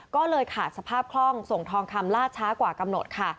ก็เลยขาดสภาพคล่องส่งทองคำล่าช้ากว่ากำหนดค่ะ